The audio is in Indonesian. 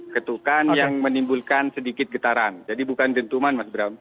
ketukan yang menimbulkan sedikit getaran jadi bukan dentuman